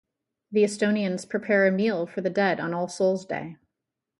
The Estonians prepare a meal for the dead on All Souls' Day.